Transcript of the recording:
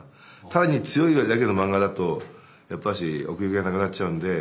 単に強いだけの漫画だとやっぱし奥行きがなくなっちゃうんで。